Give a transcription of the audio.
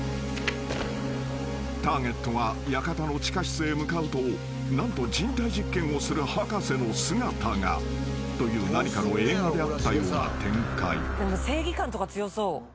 ［ターゲットが館の地下室へ向かうと何と人体実験をする博士の姿がという何かの映画であったような展開］